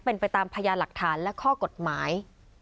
เป็นไปตามพยานหลักฐานและข้อกฎหมาย